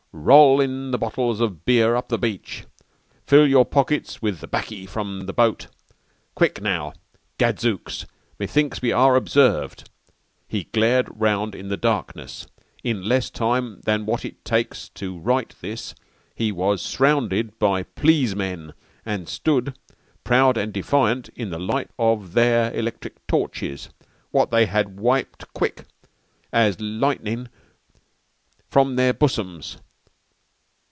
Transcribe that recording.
Rol in the bottles of beer up the beech. Fill your pockets with the baccy from the bote. Quick, now! Gadzooks! Methinks we are observed!" He glared round in the darkness. In less time than wot it takes to rite this he was srounded by pleese men and stood, proud and defiant, in the light of there electrick torches wot they had wiped quick as litening from their busums.